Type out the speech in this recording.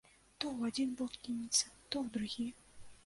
То ў адзін бок кінецца, то ў другі.